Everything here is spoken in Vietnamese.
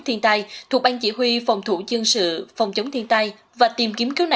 tết trung thu đang đến gần